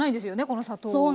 この砂糖は。